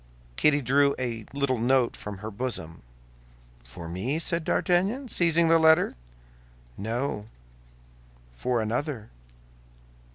Kitty drew a little note from her bosom. "For me?" said D'Artagnan, seizing the letter. "No; for another."